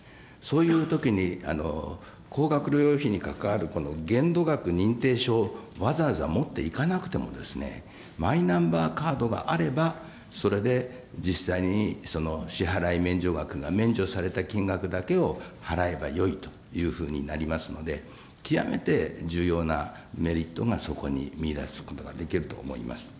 そういうときに高額療養費に関わる限度額認定書をわざわざ持っていかなくても、マイナンバーカードがあれば、それで実際に支払い免除額が、免除された金額だけを払えばよいというふうになりますので、極めて重要なメリットがそこに見いだすことができると思います。